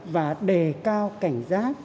và đề cao cảnh sát